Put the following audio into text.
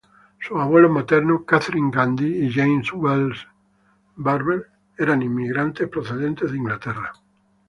Sus abuelos maternos, Catherine Gandy y James Wells Barber, eran inmigrantes procedentes de Inglaterra.